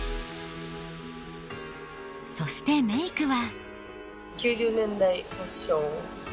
そしてメイクは。